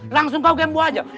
langsung kau gembo aja